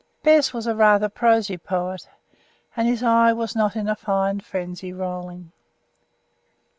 Bez was a rather prosy poet, and his eye was not in a fine frenzy rolling.